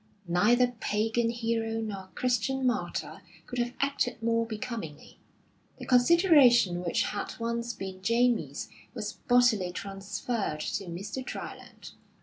Neither pagan hero nor Christian martyr could have acted more becomingly. The consideration which had once been Jamie's was bodily transferred to Mr. Dryland.